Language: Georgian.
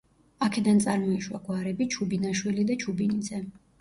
აქედან წარმოიშვა გვარები ჩუბინაშვილი და ჩუბინიძე.